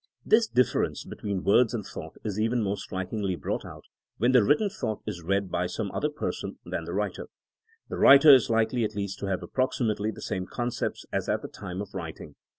This difference between words and thought is even more strikingly brought out when the writ ten thought is read by some other person than the writer. The writer is likely at least to have approximately the same concepts as at the time of writing.